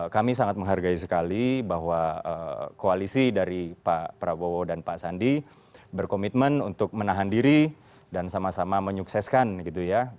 kami sangat menghargai sekali bahwa koalisi dari pak prabowo dan pak sandi berkomitmen untuk menahan diri dan sama sama menyukseskan gitu ya